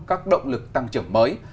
các động lực tăng trưởng mới